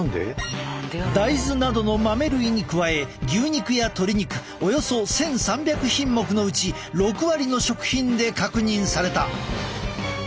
大豆などの豆類に加え牛肉や鶏肉およそ１，３００品目のうち６割の食品で確認された。